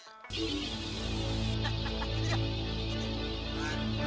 hahaha gitu dia